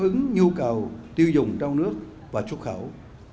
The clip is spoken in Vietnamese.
và đáp ứng nhu cầu tiêu dùng trong nước và xuất khẩu